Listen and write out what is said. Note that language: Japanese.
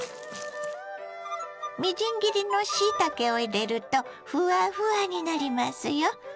みじん切りのしいたけを入れるとフワフワになりますよ。